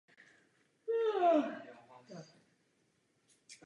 Je to praktické a je to správné.